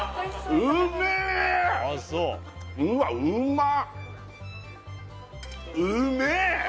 うわうまっ！